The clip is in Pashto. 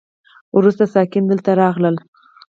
وروسته ساکان دلته راغلل